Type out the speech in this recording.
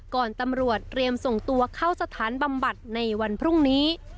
ตำรวจเตรียมส่งตัวเข้าสถานบำบัดในวันพรุ่งนี้